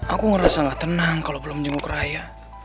aku ngerasa gak tenang kalau belum jenguk raya